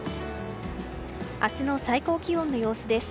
明日の最高気温の様子です。